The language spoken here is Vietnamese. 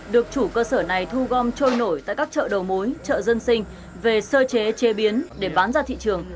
được chủ cơ sở này thu gom trôi nổi tại các chợ đầu mối chợ dân sinh về sơ chế chế biến để bán ra thị trường